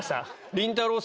りんたろー。